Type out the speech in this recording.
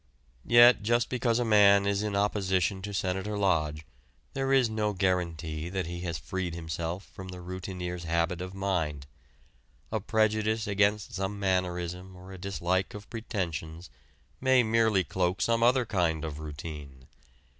Yet just because a man is in opposition to Senator Lodge there is no guarantee that he has freed himself from the routineer's habit of mind. A prejudice against some mannerism or a dislike of pretensions may merely cloak some other kind of routine.